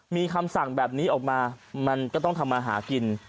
มีคำสั่งแบบนี้ออกมามันก็ต้องทำมาหากิน